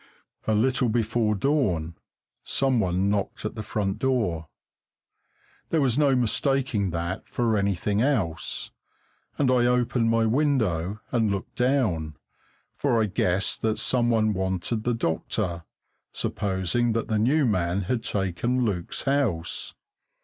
A little before dawn some one knocked at the front door. There was no mistaking that for anything else, and I opened my window and looked down, for I guessed that some one wanted the doctor, supposing that the new man had taken Luke's house.